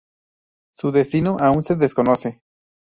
Su destino aún se desconoce.